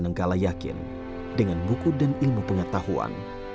nenggala yakin dengan buku dan ilmu pengetahuan